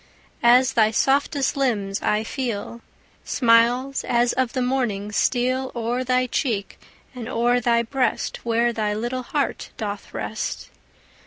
As thy softest limbs I feel, Smiles as of the morning steal O'er thy cheek, and o'er thy breast Where thy little heart doth rest.